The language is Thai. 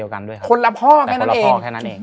คนละพ่อแค่นั้นเอง